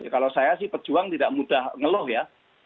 kalau saya sih pejuang tidak mudah ngeluh ya